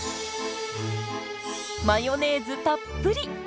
マヨネーズたっぷり！